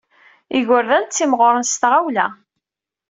Igerdan ttimɣuren s tɣawla.